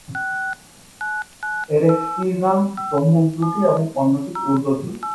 এর একটির নাম সম্মুখ দ্রুতি এবং অন্যটি ঊর্ধ্ব দ্রুতি।